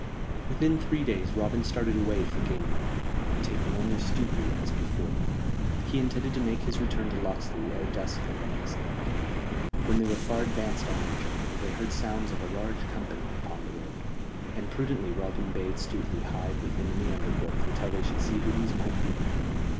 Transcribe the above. Within three days Robin started away for Gamewell, taking only Stuteley, as before. He intended to make his return to Locksley ere dusk of the next night. When they were far advanced on their journey they heard sounds of a large company upon the road; and prudently Robin bade Stuteley hide with him in the undergrowth until they should see who these might be.